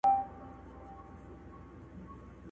او د عالي کامیابۍ لپاره